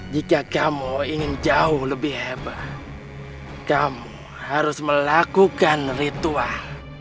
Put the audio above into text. jika kamu ingin jauh lebih hebat kamu harus melakukan ritual